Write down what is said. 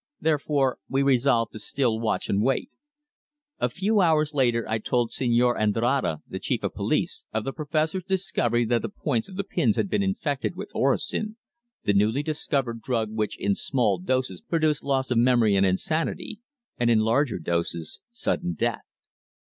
Therefore we resolved to still watch and wait. A few hours later I told Señor Andrade, the Chief of Police, of the professor's discovery that the points of the pins had been infected with orosin, the newly discovered drug which in small doses produced loss of memory and insanity, and in larger doses sudden death.